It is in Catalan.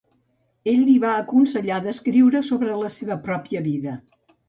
Ell li va aconsellar d'escriure sobre la seva pròpia vida.